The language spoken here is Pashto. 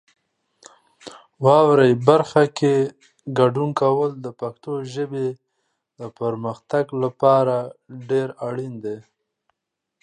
واورئ برخه کې ګډون کول د پښتو ژبې د پرمختګ لپاره ډېر اړین دی.